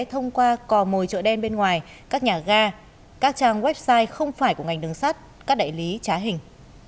thông qua cò mồi chợ đen bên ngoài các nhà ga các trang website không phải của ngành đường sắt các đại lý trá hình